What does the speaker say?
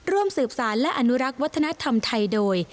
ร่วมสืบสารและอนุรักษ์วัฒนธรรมไทยโดย